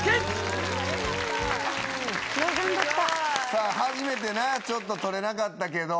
さぁ初めてねちょっと捕れなかったけど。